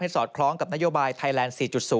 สอดคล้องกับนโยบายไทยแลนด์๔๐